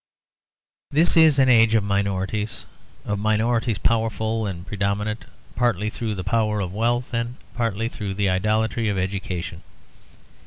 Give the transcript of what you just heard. This is an age of minorities; of minorities powerful and predominant, partly through the power of wealth and partly through the idolatry of education.